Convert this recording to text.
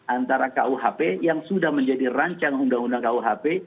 antara kuhp yang sudah menjadi rancang undang undang kuhp